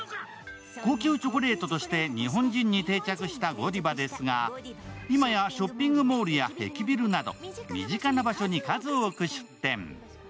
高級チョコレートとして日本人に定着したゴディバですが今やショッピングモールや駅ビルなど身近な場所に数多く出店。